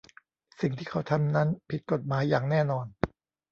สิ่งที่เขาทำนั้นผิดกฎหมายอย่างแน่นอน